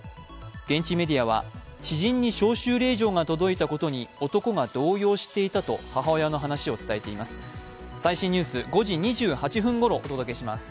現地メデアは知人に招集令状が届いたことに男が動揺していたと母親の話を伝えています。